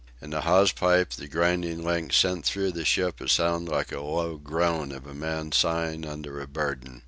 In the hawse pipe the grinding links sent through the ship a sound like a low groan of a man sighing under a burden.